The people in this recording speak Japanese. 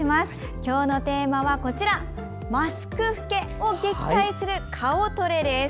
今日のテーマはマスク老けを撃退する顔トレです。